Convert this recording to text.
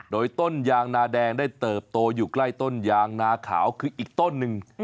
โดยต้นยางนาแดงได้เติบโตอยู่ใกล้ต้นยางนาขาวคืออีกต้นหนึ่ง